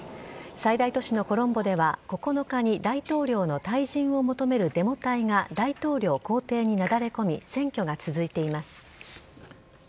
最大都市のコロンボでは９日に大統領の退陣を求めるデモ隊が大統領公邸になだれ込み占拠が続いています。